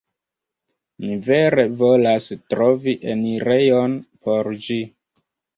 Mi vere volas trovi enirejon por ĝi